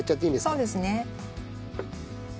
そうですね。